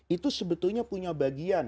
itu sebetulnya punya bagian